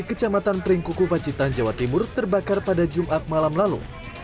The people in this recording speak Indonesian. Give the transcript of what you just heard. kecamatan pringkuku pacitan jawa timur terbakar pada jumat malam lalu